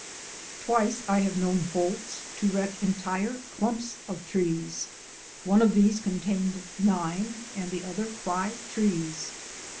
Twice I have known bolts to wreck entire clumps of trees. One of these contained nine and the other five trees.